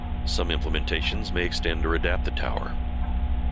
Some implementations may extend or adapt the tower.